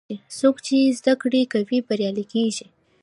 څوک چې زده کړه کوي، بریالی کېږي.